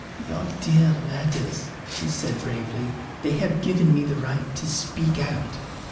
"Your dear letters!" she said bravely. "They have given me the right to speak out.